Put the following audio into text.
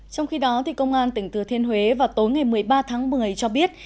trong khi đó công an tỉnh thừa thiên huế vào tối ngày một mươi ba tháng một mươi cho biết